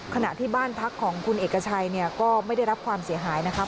ขณะที่บ้านพักของคุณเอกชัยเนี่ยก็ไม่ได้รับความเสียหายนะคะ